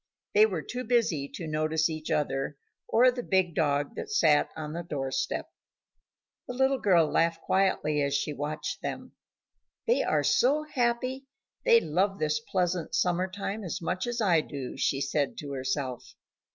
They were too busy to notice each other or the big dog that sat on the door step. The little girl laughed quietly as she watched them. "They are so happy; they love this pleasant summer time as much as I do," she said to herself.